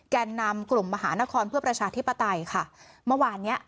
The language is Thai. แก่นำกลุ่มมหานครเพื่อประชาธิปไตยค่ะเมื่อวานเนี้ย